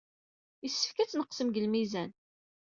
Yessefk ad tneqsem deg lmizan.